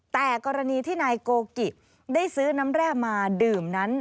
แต่กรณีที่นายโกกิได้ซื้อน้ำแร่มาดื่มนั้น